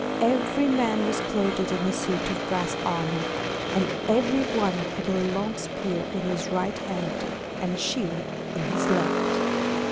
Every man was clothed in a suit of brass armor; and every one had a long spear in his right hand and a shield in his left.